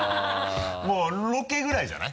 もうロケぐらいじゃない？